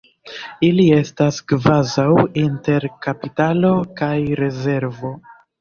Ili estas kvazaŭ inter kapitalo kaj rezervo.